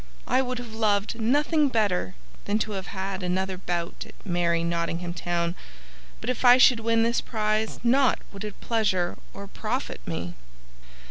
I would have loved nothing better than to have had another bout at merry Nottingham Town, but if I should win this prize nought would it pleasure or profit me."